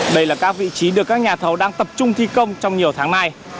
đây là các vị trí được các nhà thầu đang tập trung thi công trong nhiều tháng nay